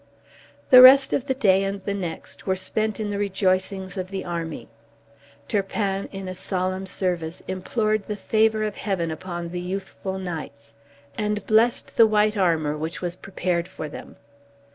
The rest of the day and the next were spent in the rejoicings of the army. Turpin in a solemn service implored the favor of Heaven upon the youthful knights, and blessed the white armor which was prepared for them.